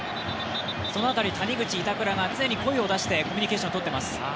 谷口、板倉がつねに声を出してコミュニケーションをとっています。